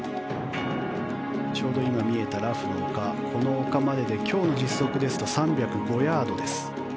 ちょうど今、見えたラフの丘この丘までで今日の実測ですと３０５ヤードです。